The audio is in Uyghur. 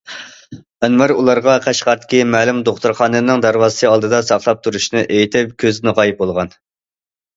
ئەنۋەر ئۇلارغا قەشقەردىكى مەلۇم دوختۇرخانىنىڭ دەرۋازىسى ئالدىدا ساقلاپ تۇرۇشنى ئېيتىپ كۆزدىن غايىب بولغان.